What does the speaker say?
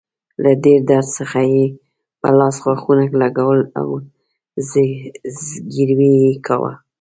له ډیر درد څخه يې په لاس غاښونه لګول او زګیروی يې کاوه.